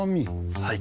はい。